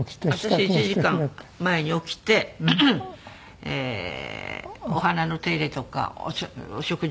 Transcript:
私１時間前に起きてお花の手入れとかお食事